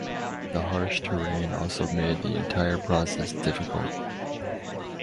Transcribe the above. The harsh terrain also made the entire process difficult.